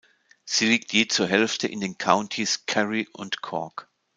Sie liegt je zur Hälfte in den Countys Kerry und Cork.